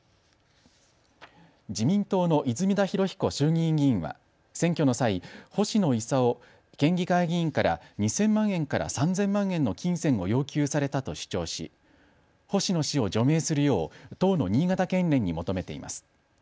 自民党の泉田裕彦衆議院議員は選挙の際、星野伊佐夫県議会議員から２０００万円から３０００万円の金銭を要求されたと主張し星野氏を除名するよう党の新潟県連に求めています。